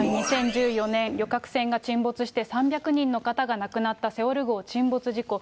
２０１４年、旅客船が沈没して３００人の方が亡くなったセウォル号沈没事故。